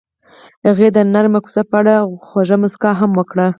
هغې د نرم کوڅه په اړه خوږه موسکا هم وکړه.